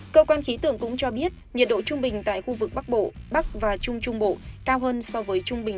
cơ quan khí tượng cũng cho biết nhiệt độ trung bình tại khu vực bắc bộ bắc và trung trung bộ cao hơn so với trung bình